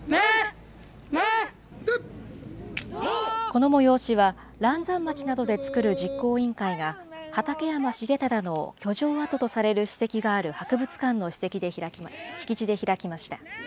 この催しは、嵐山町などで作る実行委員会が、畠山重忠の居城跡とされる史跡がある博物館の敷地で開きました。